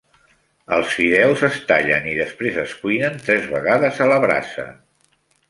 Els fideus es tallen i després es cuinen tres vegades a la brasa.